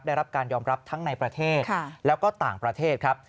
ได้รับการยอมรับทั้งในประเทศแล้วก็ต่างประเทศครับ